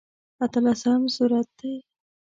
اتلسم سورت دی.